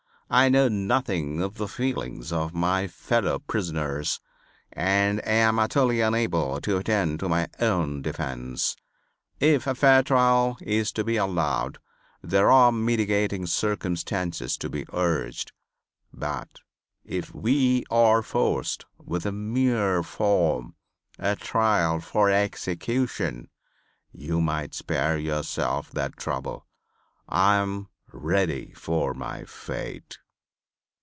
I know nothing of the feelings of my fellow prisoners and am utterly unable to attend to my own defense. If a fair trial is to be allowed there are mitigating circumstances to be urged. But, if we are forced with a mere form, a trial for execution, you might spare yourselves that trouble. I am ready for my fate."